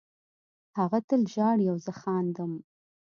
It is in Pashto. هغه تل ژاړي او زه خاندم